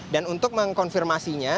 dan untuk mengkonfirmasinya